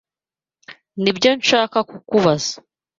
Nibyo nshaka kubaza.